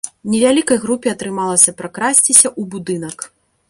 Невялікай групе атрымалася пракрасціся ў будынак.